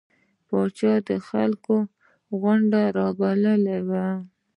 پاچا د خلکو غونده رابللې وه.